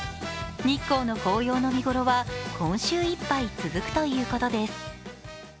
日光の紅葉の見頃は今週いっぱい続くということです。